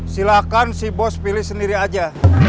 silahkan si bos pilih sendiri aja